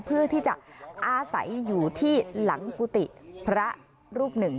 เพื่อที่จะอาศัยอยู่ที่หลังกุฏิพระรูปหนึ่ง